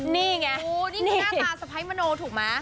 นี่ไงนี่โอ้นี่ใช่นี่น่าตาสไพร์มโนถูกไหม